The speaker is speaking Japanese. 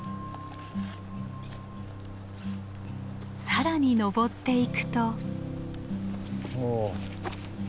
更に登っていくと。